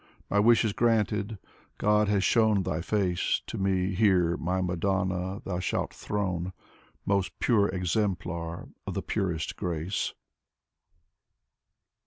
.•. My wish is granted : God has shown thy face To me; here, my Madonna, thou shalt throne: Most pure exemplar of the purest grace.